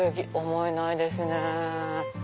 思えないですね。